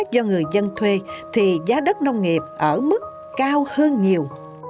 do người dân thuê thì giá đất nông nghiệp ở mức cao hơn nhiều